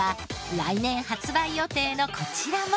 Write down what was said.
来年発売予定のこちらも。